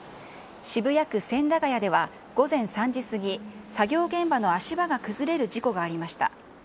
渋谷区千駄ヶ谷では午前３時過ぎ、作業現場の足場が崩れる事故がありました。